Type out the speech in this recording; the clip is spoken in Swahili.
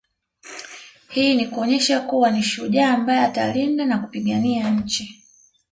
Hii ni kuonesha kuwa ni shujaa ambaye atalinda na kupigania nchi